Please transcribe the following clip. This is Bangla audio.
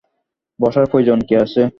বসার প্রয়োজন কি আছে?